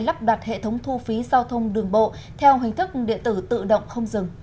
lắp đặt hệ thống thu phí giao thông đường bộ theo hình thức điện tử tự động không dừng